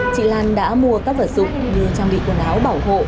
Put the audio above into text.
chị lan đã mua các vật dụng như trang bị quần áo bảo hộ